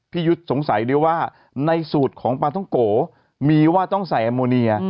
พี่ยุทธ์สงสัยดีว่าในสูตรของภาพอดฝาต้องโกมีว่าต้องใส่อัมโมเนีย